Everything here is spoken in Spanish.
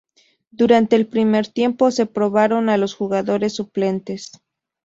Durante el primer tiempo se probaron a los jugadores suplentes.